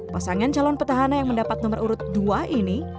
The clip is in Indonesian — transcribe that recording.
pasangan calon petahana yang mendapat nomor urut dua ini